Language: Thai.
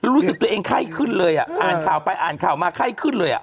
รู้สึกตัวเองไข้ขึ้นเลยอ่ะอ่านข่าวไปอ่านข่าวมาไข้ขึ้นเลยอ่ะ